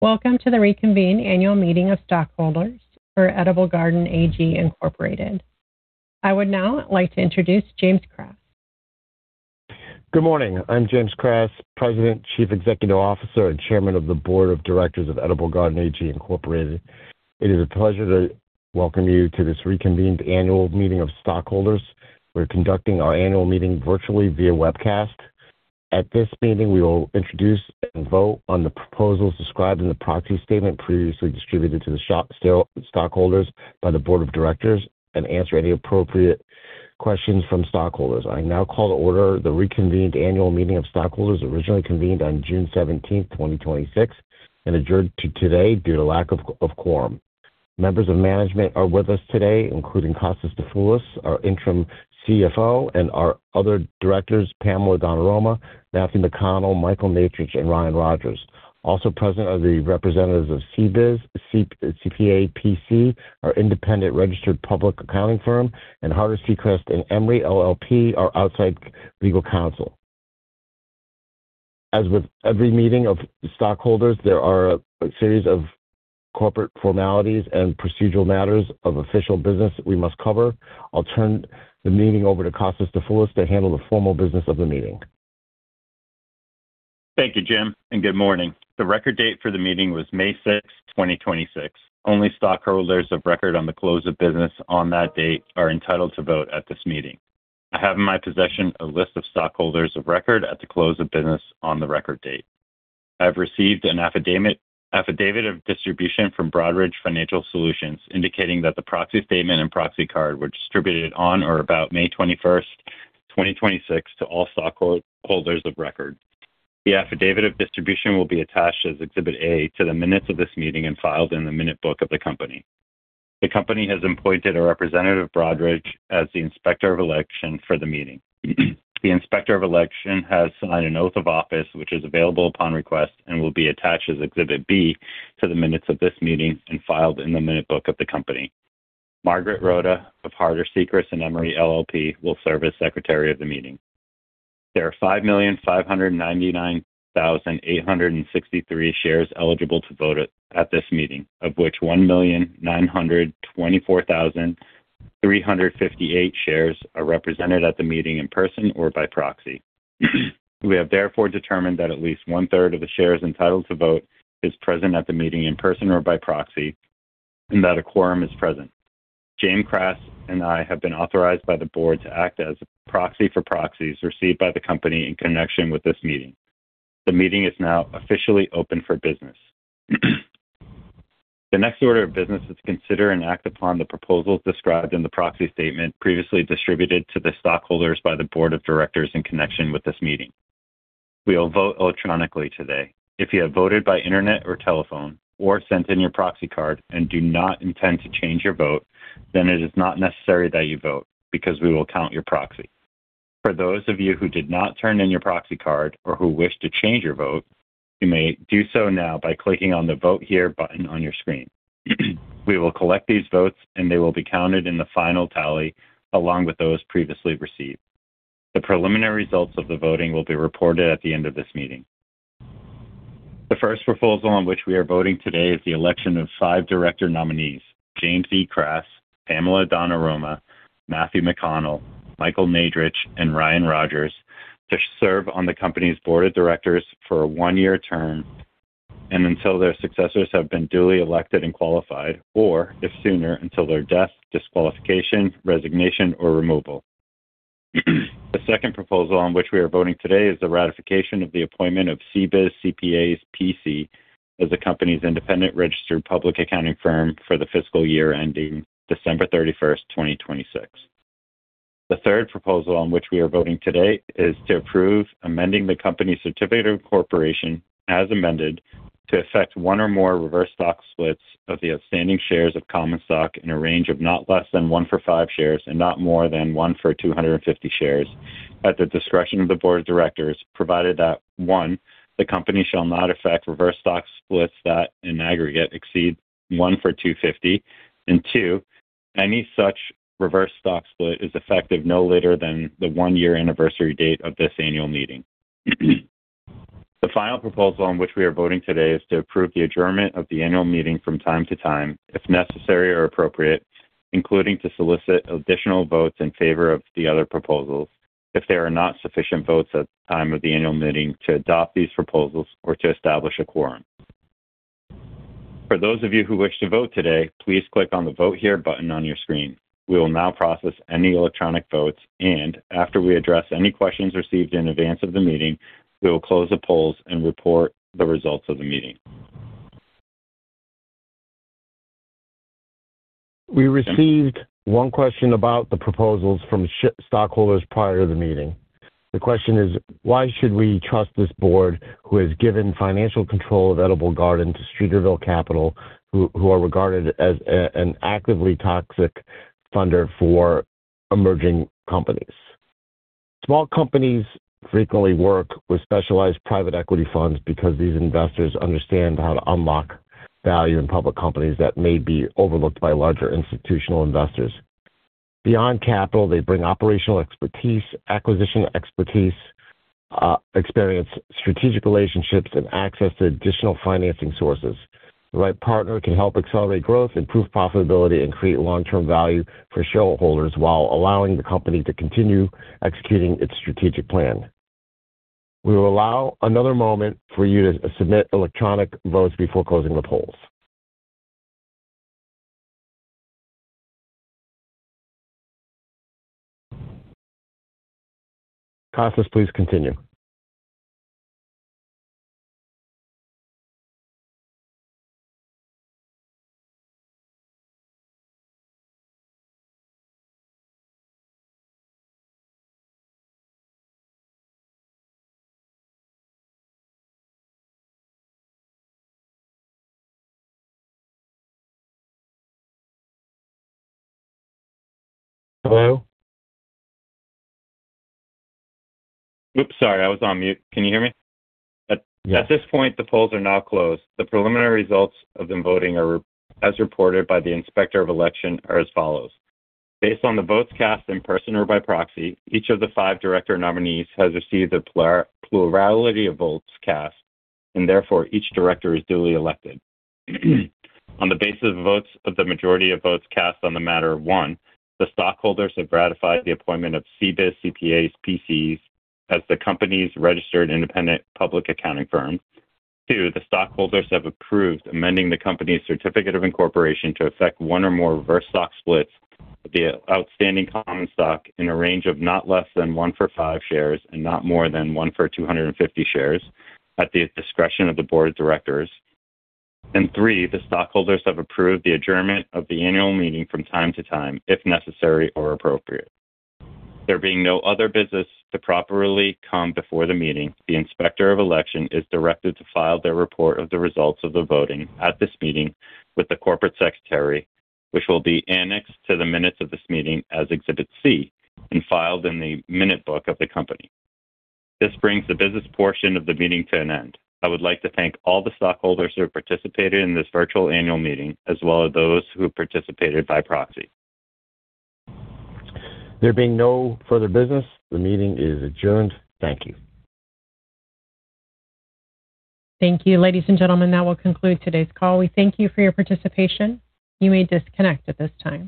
Welcome to the reconvened annual meeting of stockholders for Edible Garden AG Incorporated. I would now like to introduce Jim Kras. Good morning. I'm Jim Kras, President, Chief Executive Officer, and Chairman of the Board of Directors of Edible Garden AG Incorporated. It is a pleasure to welcome you to this reconvened annual meeting of stockholders. We're conducting our annual meeting virtually via webcast. At this meeting, we will introduce and vote on the proposals described in the proxy statement previously distributed to the stockholders by the board of directors and answer any appropriate questions from stockholders. I now call to order the reconvened annual meeting of stockholders, originally convened on June 17th, 2026, and adjourned to today due to lack of quorum. Members of management are with us today, including Kostas Dafoulas, our interim CFO, and our other directors, Pamela DonAroma, Mathew McConnell, Michael Naidrich, and Ryan Rogers. Also present are the representatives of CBIZ CPAs P.C., our independent registered public accounting firm, and Harter Secrest & Emery LLP, our outside legal counsel. As with every meeting of stockholders, there are a series of corporate formalities and procedural matters of official business we must cover. I'll turn the meeting over to Kostas Dafoulas to handle the formal business of the meeting. Thank you, Jim, and good morning. The record date for the meeting was May 6th, 2026. Only stockholders of record on the close of business on that date are entitled to vote at this meeting. I have in my possession a list of stockholders of record at the close of business on the record date. I have received an affidavit of distribution from Broadridge Financial Solutions indicating that the proxy statement and proxy card were distributed on or about May 21st, 2026, to all stockholders of record. The affidavit of distribution will be attached as Exhibit A to the minutes of this meeting and filed in the minute book of the company. The company has appointed a representative of Broadridge as the inspector of election for the meeting. The inspector of election has signed an oath of office, which is available upon request and will be attached as Exhibit B to the minutes of this meeting and filed in the minute book of the company. Margaret Rhoda of Harter Secrest & Emery LLP will serve as Secretary of the meeting. There are 5,599,863 shares eligible to vote at this meeting, of which 1,924,358 shares are represented at the meeting in person or by proxy. We have therefore determined that at least one-third of the shares entitled to vote is present at the meeting in person or by proxy, and that a quorum is present. Jim Kras and I have been authorized by the board to act as proxy for proxies received by the company in connection with this meeting. The meeting is now officially open for business. The next order of business is to consider and act upon the proposals described in the proxy statement previously distributed to the stockholders by the board of directors in connection with this meeting. We will vote electronically today. If you have voted by internet or telephone or sent in your proxy card and do not intend to change your vote, it is not necessary that you vote because we will count your proxy. For those of you who did not turn in your proxy card or who wish to change your vote, you may do so now by clicking on the Vote Here button on your screen. We will collect these votes, they will be counted in the final tally along with those previously received. The preliminary results of the voting will be reported at the end of this meeting. The first proposal on which we are voting today is the election of five director nominees, Jim Kras, Pamela DonAroma, Mathew McConnell, Michael Naidrich, and Ryan Rogers, to serve on the company's board of directors for a one-year term and until their successors have been duly elected and qualified or, if sooner, until their death, disqualification, resignation, or removal. The second proposal on which we are voting today is the ratification of the appointment of CBIZ CPAs, P.C., as the company's independent registered public accounting firm for the fiscal year ending December 31st, 2026. The third proposal on which we are voting today is to approve amending the company's certificate of incorporation as amended to affect one or more reverse stock splits of the outstanding shares of common stock in a range of not less than one for five shares and not more than one for 250 shares at the discretion of the board of directors, provided that, one, the company shall not affect reverse stock splits that, in aggregate, exceed one for 250, and two, any such reverse stock split is effective no later than the one-year anniversary date of this annual meeting. The final proposal on which we are voting today is to approve the adjournment of the annual meeting from time to time, if necessary or appropriate, including to solicit additional votes in favor of the other proposals if there are not sufficient votes at the time of the annual meeting to adopt these proposals or to establish a quorum. For those of you who wish to vote today, please click on the Vote Here button on your screen. We will now process any electronic votes, and after we address any questions received in advance of the meeting, we will close the polls and report the results of the meeting. We received one question about the proposals from stockholders prior to the meeting. The question is: Why should we trust this board, who has given financial control of Edible Garden to Streeterville Capital, who are regarded as an actively toxic funder for emerging companies? Small companies frequently work with specialized private equity funds because these investors understand how to unlock value in public companies that may be overlooked by larger institutional investors. Beyond capital, they bring operational expertise, acquisition expertise, experience, strategic relationships, and access to additional financing sources. The right partner can help accelerate growth, improve profitability, and create long-term value for shareholders while allowing the company to continue executing its strategic plan. We will allow another moment for you to submit electronic votes before closing the polls. Kostas, please continue. Hello? Oops, sorry, I was on mute. Can you hear me? Yes. At this point, the polls are now closed. The preliminary results of the voting as reported by the Inspector of Election are as follows. Based on the votes cast in person or by proxy, each of the five director nominees has received a plurality of votes cast, and therefore, each director is duly elected. On the basis of votes of the majority of votes cast on the matter, one, the stockholders have ratified the appointment of CBIZ CPAs, P.C. as the company's registered independent public accounting firm. Two, the stockholders have approved amending the company's certificate of incorporation to effect one or more reverse stock splits of the outstanding common stock in a range of not less than one for five shares and not more than one for 250 shares at the discretion of the Board of Directors. Three, the stockholders have approved the adjournment of the annual meeting from time to time, if necessary or appropriate. There being no other business to properly come before the meeting, the Inspector of Election is directed to file their report of the results of the voting at this meeting with the corporate secretary, which will be annexed to the minutes of this meeting as Exhibit C and filed in the minute book of the company. This brings the business portion of the meeting to an end. I would like to thank all the stockholders who have participated in this virtual annual meeting, as well as those who participated by proxy. There being no further business, the meeting is adjourned. Thank you. Thank you, ladies and gentlemen. That will conclude today's call. We thank you for your participation. You may disconnect at this time.